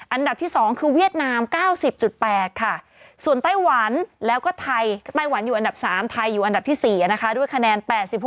อันดับที่๒คือเวียดนาม๙๐๘ค่ะส่วนไต้หวันแล้วก็ไทยไต้หวันอยู่อันดับ๓ไทยอยู่อันดับที่๔นะคะด้วยคะแนน๘๖